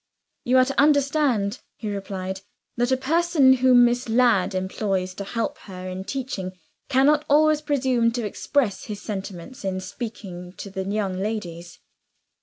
"You are to understand," he replied, "that a person whom Miss Ladd employs to help her in teaching, cannot always presume to express his sentiments in speaking to the young ladies."